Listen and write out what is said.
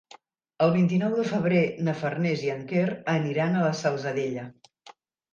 El vint-i-nou de febrer na Farners i en Quer aniran a la Salzadella.